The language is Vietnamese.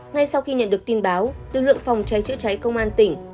ngay sau khi nhận được tin báo lực lượng phòng cháy chữa cháy công an tỉnh